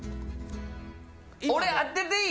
俺、当てていい？